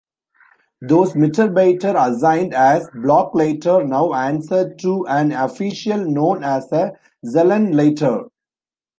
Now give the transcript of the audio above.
Those "Mitarbeiter" assigned as "Blockleiter" now answered to an official known as a "Zellenleiter".